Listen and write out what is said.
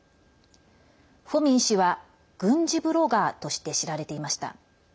フォミン氏は軍事ブロガーとして知られていました。